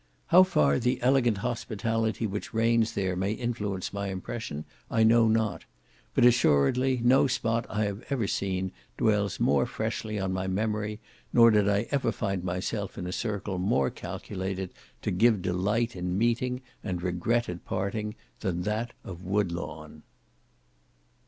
How far the elegant hospitality which reigns there may influence my impression, I know not; but, assuredly, no spot I have ever seen dwells more freshly on my memory, nor did I ever find myself in a circle more calculated to give delight in meeting, and regret at parting, than that of Woodlawn.